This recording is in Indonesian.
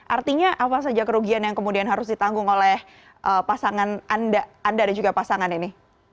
artinya apa saja kerugian yang kemudian harus ditanggung oleh pasangan anda dan juga pasangan ini